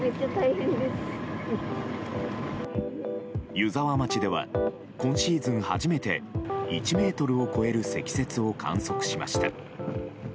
湯沢町では今シーズン初めて１ｍを超える積雪を観測しました。